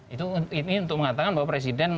itu ini untuk mengatakan bahwa presiden